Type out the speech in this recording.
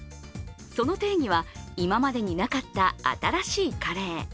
その定義は今までになかった新しいカレー。